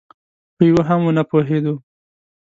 په یوه هم ونه پوهېدو.